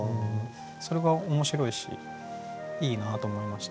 それが面白いしいいなと思いました。